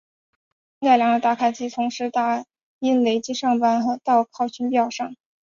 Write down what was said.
经改良的打卡机同时打印累计上班时间到考勤表上。